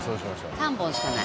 ３本しかない。